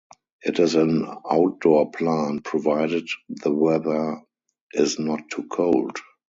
It is an outdoor plant provided the weather is not too cold.